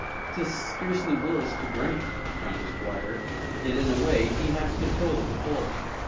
"'Tis scarcely Will's to grant," frowned the Squire; "yet, in a way, he has control of the forest.